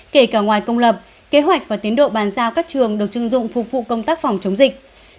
kể cả ngoài công lập kế hoạch và tiến độ bàn giao các trường được chưng dụng phục vụ công tác phòng chống dịch